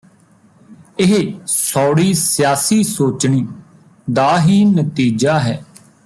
ਇਹ ਸੌੜੀ ਸਿਆਸੀ ਸੋਚਣੀ ਦਾ ਹੀ ਨਤੀਜਾ ਹੈ